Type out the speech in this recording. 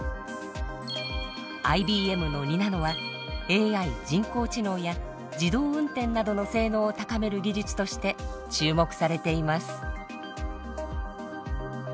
ＩＢＭの２ナノはＡＩ人工知能や自動運転などの性能を高める技術として注目されています。